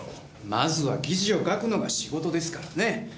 まずは記事を書くのが仕事ですからね。